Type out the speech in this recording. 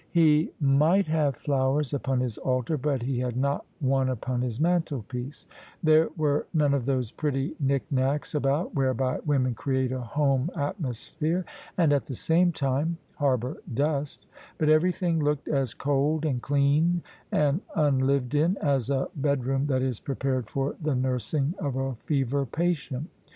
He mig^t [843 OF ISABEL CARNABY have flowers upon his altar, but he had not one upon his mantelpiece: there were none of those pretty knick knacks about, wliereby women create a home atmo^here, and at the same time harbour dust: but eveiything looked as cold and dean and unlived in as a bedroom that is prepared for the nursing of a fever patient.